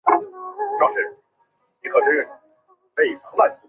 他们和他们的追随者被称为爵士迷。